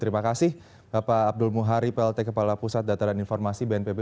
terima kasih bapak abdul muhari plt kepala pusat data dan informasi bnpb